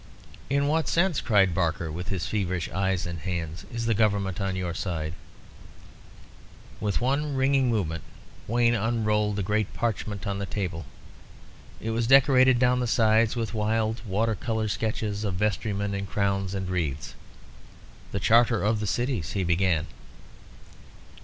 "In what sense," cried Barker, with his feverish eyes and hands, "is the Government on your side?" With one ringing movement Wayne unrolled a great parchment on the table. It was decorated down the sides with wild water colour sketches of vestrymen in crowns and wreaths. "The Charter of the Cities," he began.